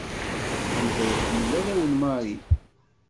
Yuba yeḥmmel arraw n Marie.